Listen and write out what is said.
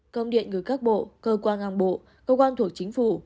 công điện gửi các bộ cơ quan ngang bộ cơ quan thuộc chính phủ